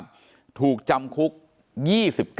เป็นวันที่๑๕ธนวาคมแต่คุณผู้ชมค่ะกลายเป็นวันที่๑๕ธนวาคม